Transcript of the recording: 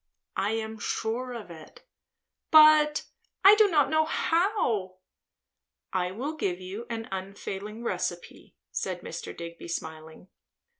"I am sure of it." "But do I know how?" "I will give you an unfailing recipe," said Mr. Digby smiling.